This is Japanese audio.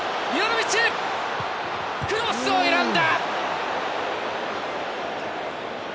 クロスを選んだ。